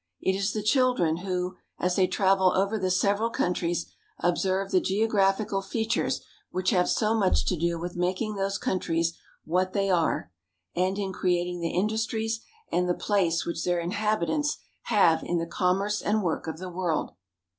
It is the children who, as they travel over the several countries, observe the geographical features which have so much to do with making those countries what they are, and in creating the industries and the place which their inhabitants have in the commerce and work of the world.